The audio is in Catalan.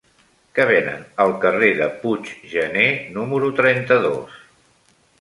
Què venen al carrer de Puiggener número trenta-dos?